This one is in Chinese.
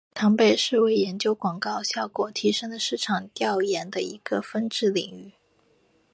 常被视为研究广告效果提升的市场调研的一个分支领域。